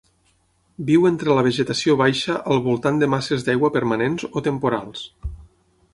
Viu entre la vegetació baixa al voltant de masses d'aigua permanents o temporals.